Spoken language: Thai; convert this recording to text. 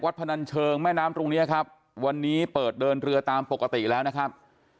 พนันเชิงแม่น้ำตรงเนี้ยครับวันนี้เปิดเดินเรือตามปกติแล้วนะครับ